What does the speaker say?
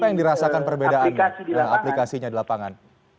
apa yang dirasakan perbedaan aplikasinya di lapangan